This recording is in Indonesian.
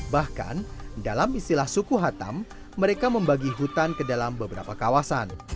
bahkan dalam istilah suku hatam mereka membagi hutan ke dalam beberapa kawasan